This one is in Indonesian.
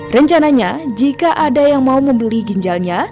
rencananya jika ada yang mau membeli ginjalnya